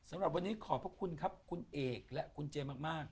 สำหรับวันนี้ขอบพระคุณครับคุณเอกและคุณเจมาก